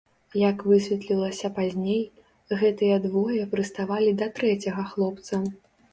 Як высветлілася пазней, гэтыя двое прыставалі да трэцяга хлопца.